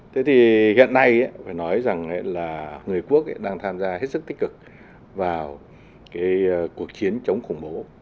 thế thì hiện nay phải nói rằng là người quốc đang tham gia hết sức tích cực vào cái cuộc chiến chống khủng bố